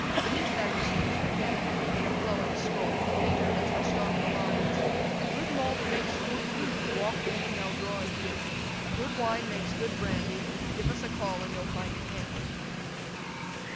Beneath that inscription again, in a flowing scroll, the painter had touched off the lines: Good malt makes good beer, Walk in, and they'll draw it here; Good wine makes good brandy, Give us a call, and you'll find it handy.